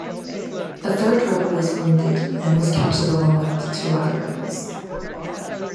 A third rebel was wounded and was captured along with two other rebels.